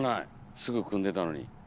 すぐ組んでたのに。